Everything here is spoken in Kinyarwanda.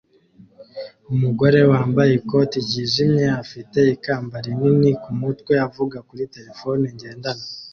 Umugore wambaye ikoti ryijimye afite ikamba rinini kumutwe avuga kuri terefone ngendanwa